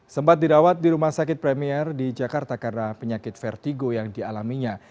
sempat dirawat di rumah sakit premier di jakarta karena penyakit vertigo yang dialaminya